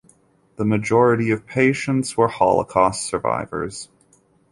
The majority of patients were Holocaust survivors.